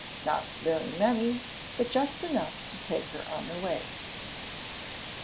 Not very many, but just enough to take her on her way.